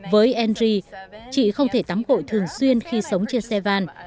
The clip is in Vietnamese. với andrew chị không thể tắm bội thường xuyên khi sống trên xe van